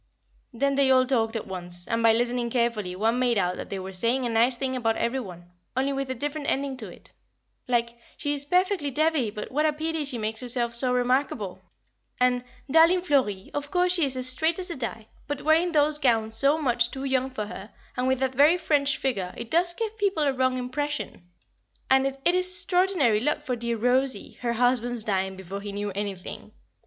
Then they all talked at once, and by listening carefully one made out that they were saying a nice thing about every one, only with a different ending to it, like: "she is perfectly devey but what a pity she makes herself so remarkable," and "Darling Florrie, of course she is as straight as a die, but wearing those gowns so much too young for her, and with that very French figure, it does give people a wrong impression," and "It is extraordinary luck for dear Rosie, her husband's dying before he knew anything."